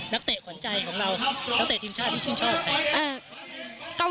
เตะขวัญใจของเรานักเตะทีมชาติที่ชื่นชอบครับ